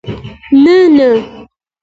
نه ، نه